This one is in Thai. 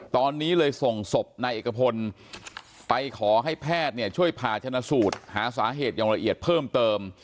ตอนนี้เลยส่งศพนายเอกพลไปขอให้แพทย์ช่วยผ่าชนะสูตรหาสาเหตุอย่างละเอียดเพิ่มเติม